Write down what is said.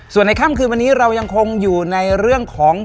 ส่วนในค่ำคืนวันนี้เรายังคงอยู่ในเรื่องของ